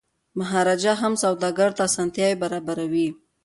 مهاراجا هم سوداګرو ته اسانتیاوي برابروي.